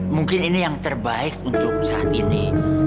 mungkin ini yang terbaik untuk saat ini